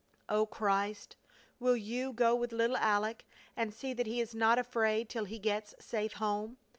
"Oh Christ, will You go with little Aleck and see that he is not afraid till he gets safe home?